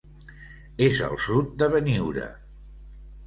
És al sud de Beniure.